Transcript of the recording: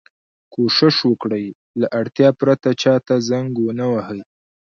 کوشش وکړئ! له اړتیا پرته چا ته زنګ و نه وهئ.